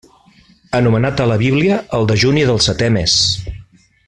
Anomenat a la Bíblia el dejuni del setè mes.